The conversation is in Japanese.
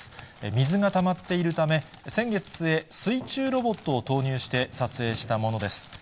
水がたまっているため、先月末、水中ロボットを投入して撮影したものです。